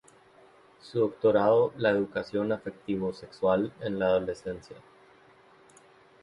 Su doctorado "La educación afectivo-sexual en la adolescencia.